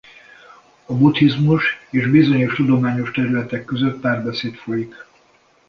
A buddhizmus és bizonyos tudományos területek között párbeszéd folyik.